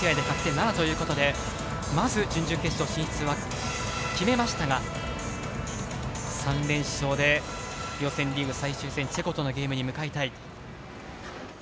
７獲得になるということで、まず準々決勝進出は決めましたが、３連勝で予選リーグ最終戦、チェコとのゲームに向かいたい。